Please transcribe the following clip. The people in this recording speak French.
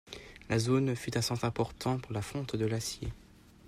La zone fut un centre important pour la fonte de l’acier.